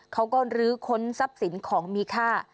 เขาก็ลื้อค้นทรัพย์สินของมีค่า